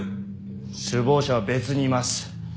首謀者は別にいます。